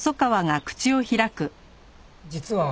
実は。